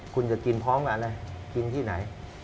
คุณจะกินพร้อมกับอะไรกินที่ไหน